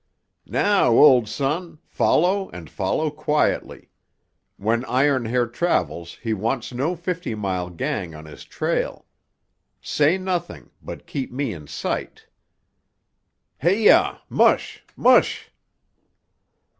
"Now, old son, follow and follow quietly. When Iron Hair travels he wants no Fifty Mile gang on his trail. Say nothing, but keep me in sight. Heyah, mush, mush!"